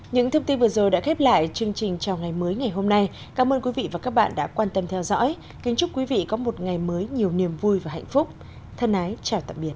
những thông tin vừa rồi đã khép lại chương trình chào ngày mới ngày hôm nay cảm ơn quý vị và các bạn đã quan tâm theo dõi kính chúc quý vị có một ngày mới nhiều niềm vui và hạnh phúc thân ái chào tạm biệt